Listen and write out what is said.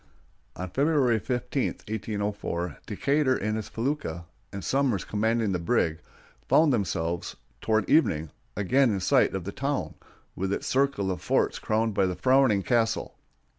On February 15, 1804, Decatur in his felucca, and Somers commanding the brig, found themselves, toward evening, again in sight of the town, with its circle of forts crowned by the frowning castle.